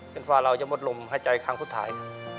เป็นว่าเราจะหมดลมหายใจครั้งสุดท้าย